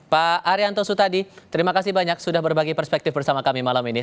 pak arianto sutadi terima kasih banyak sudah berbagi perspektif bersama kami malam ini